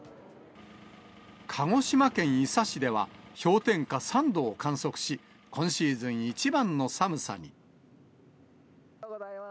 鹿児島県伊佐市では氷点下３度を観測し、今シーズン一番の寒さに。